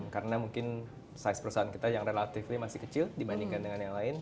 karena mungkin size perusahaan kita yang relatively masih kecil dibandingkan dengan yang lain